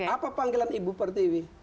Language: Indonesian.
apa panggilan ibu pertiwi